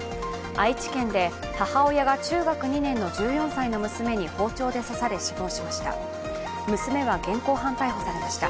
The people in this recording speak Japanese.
愛知県で母親が中学２年の１４歳の娘に包丁で刺され死亡しました。